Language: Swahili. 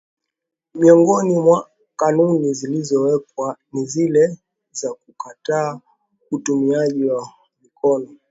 Miongoni mwa kanuni zilizowekwa ni zile za kukataa utumiaji wa mikono